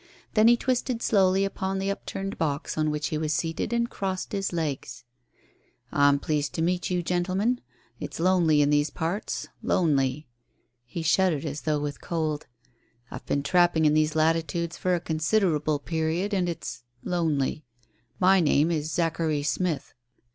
Then he twisted slowly upon the upturned box on which he was seated and crossed his legs. "I'm pleased to meet you, gentlemen. It's lonely in these parts lonely." He shuddered as though with cold. "I've been trapping in these latitudes for a considerable period, and it's lonely. My name is Zachary Smith."